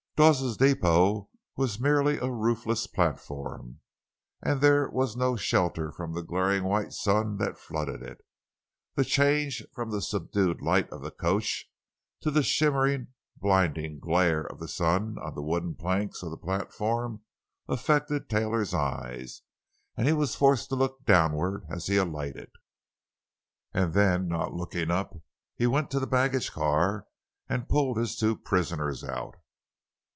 Dawes's depot was merely a roofless platform; and there was no shelter from the glaring white sun that flooded it. The change from the subdued light of the coach to the shimmering, blinding glare of the sun on the wooden planks of the platform affected Taylor's eyes, and he was forced to look downward as he alighted. And then, not looking up, he went to the baggage car and pulled his two prisoners out.